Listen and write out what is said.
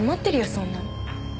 そんなの。